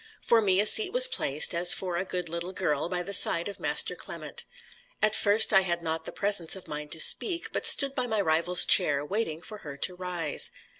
For me a seat was placed, as for a good little girl, by the side of Master Clement. At first I had not the presence of mind to speak, but stood by my rival's chair, waiting for her to rise.